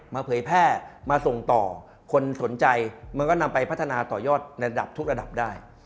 เผยแพร่มาส่งต่อคนสนใจมันก็นำไปพัฒนาต่อยอดระดับทุกระดับได้